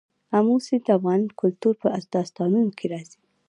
آمو سیند د افغان کلتور په داستانونو کې راځي.